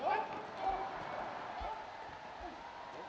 สวัสดีครับทุกคน